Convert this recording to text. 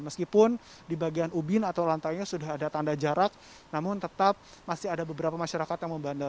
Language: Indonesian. meskipun di bagian ubin atau lantainya sudah ada tanda jarak namun tetap masih ada beberapa masyarakat yang membandel